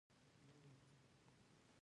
د پکتیکا په لوړه توګه پښتانه دي.